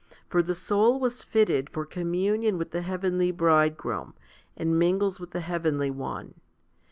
For the soul was fitted for com munion with the heavenly Bridegroom, and mingles with the heavenly One.